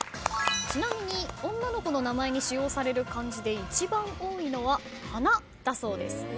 ちなみに女の子の名前に使用される漢字で一番多いのは「花」だそうです。